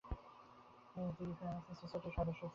তিনি ফ্রিম্যাসন্স সোসাইটির সদস্য ছিলেন।